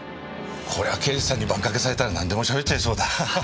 こりゃ刑事さんにバンカケされたらなんでも喋っちゃいそうだ。